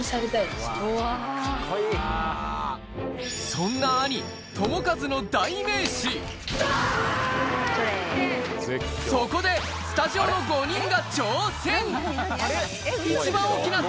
そんな兄そこでスタジオの５人が挑戦よっ！